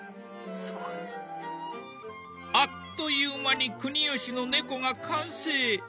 すごい。あっという間に国芳の猫が完成。